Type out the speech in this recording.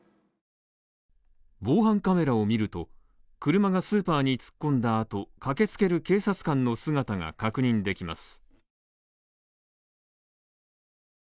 防犯カメラを見ると、車がスーパーに突っ込んだ後、駆けつける警察官の姿が確認できます。